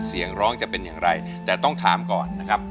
เสียงร้องจะเป็นอย่างไรแต่ต้องถามก่อนนะครับ